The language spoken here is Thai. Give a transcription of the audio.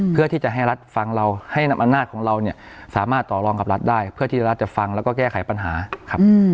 เพื่อที่จะให้รัฐฟังเราให้อำนาจของเราเนี่ยสามารถต่อรองกับรัฐได้เพื่อที่รัฐจะฟังแล้วก็แก้ไขปัญหาครับ